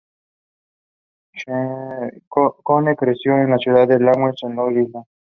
Cohen creció en la ciudad de Lawrence en Long Island.